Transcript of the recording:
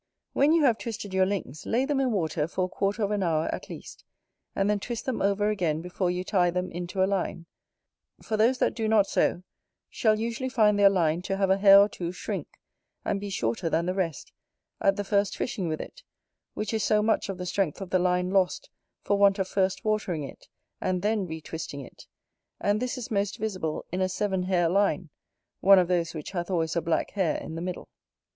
When you have twisted your links, lay them in water for a quarter of an hour at least, and then twist them over again before you tie them into a line: for those that do not so shall usually find their line to have a hair or two shrink, and be shorter than the rest, at the first fishing with it, which is so much of the strength of the line lost for want of first watering it, and then re twisting it; and this is most visible in a seven hair line, one of those which hath always a black hair in the middle.